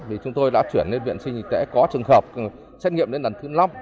vì chúng tôi đã chuyển lên viện sinh y tế có trường hợp xét nghiệm đến lần thứ năm